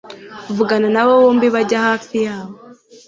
vugana n'aba bombi bajya hafi yabo